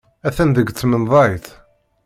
Atan deg tmenḍayt.